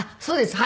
はい。